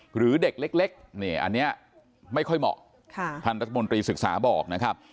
หรือเด็กเล็กอันนี้ไม่ค่อยเหมาะท่านรัฐมนตรีศึกษาบอกนะครับ